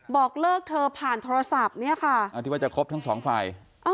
บอกเลิกเธอผ่านโทรศัพท์เนี่ยค่ะที่ว่าจะครบทั้งสองฝ่าย